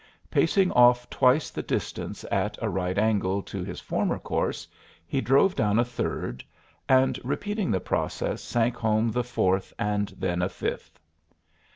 Pacing off twice the distance at a right angle to his former course he drove down a third, and repeating the process sank home the fourth, and then a fifth.